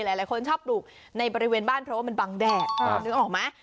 หลายคนชอบปลูกในบริเวณบ้านเพราะว่ามันบังแดดนึกออกไหม